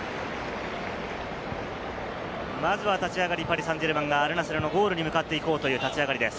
まずは立ち上がり、パリ・サンジェルマンがアルナスルのゴールに向かっていこうという立ち上がりです。